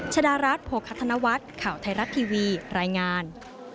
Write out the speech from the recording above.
ชดารัฐโภคธนวัฒน์ข่าวไทยรัฐทีวีรายงาน